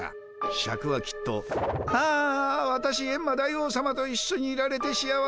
シャクはきっと「あわたしエンマ大王さまといっしょにいられて幸せ。